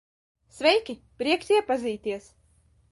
Sveiki, prieks iepazīties.